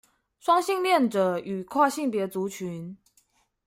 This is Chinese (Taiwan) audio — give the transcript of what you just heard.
雙性戀者與跨性別族群